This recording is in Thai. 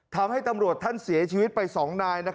ทำให้ตำรวจท่านเสียชีวิตไป๒นาย